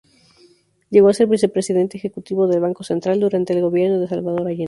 Llegó a ser Vicepresidente Ejecutivo del Banco Central, durante el gobierno de Salvador Allende.